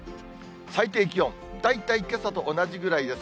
最低気温、大体、けさと同じぐらいです。